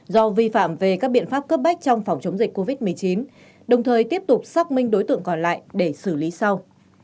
do vi phạm về các biện pháp cấp bách trong phòng chống dịch covid một mươi chín đồng thời tiếp tục xác minh đối tượng còn lại để xử lý sau